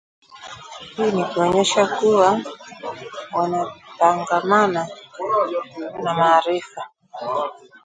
Hii ni kuonyesha kuwa wanatangamana na maarifa